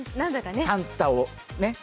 サンタを、ね。